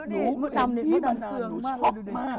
ดูดิมุดดำนิดมุดดำเครื่องมาก